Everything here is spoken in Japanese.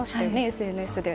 ＳＮＳで。